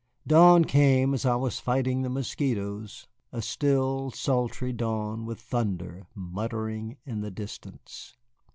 Dawn came as I was fighting the mosquitoes, a still, sultry dawn with thunder muttering in the distance.